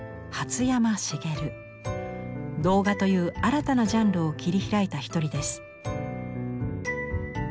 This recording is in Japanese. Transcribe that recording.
「童画」という新たなジャンルを切り開いた一人です。